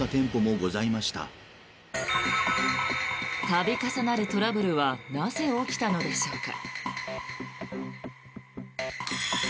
度重なるトラブルはなぜおきたのでしょうか。